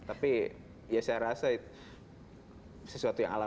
tapi ya saya rasa itu sesuatu yang alami